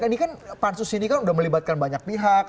ini kan pansus ini kan sudah melibatkan banyak pihak